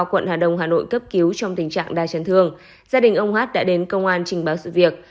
quận hà đông hà nội cấp cứu trong tình trạng đa chấn thương gia đình ông hát đã đến công an trình báo sự việc